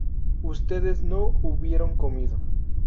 ustedes no hubieron comido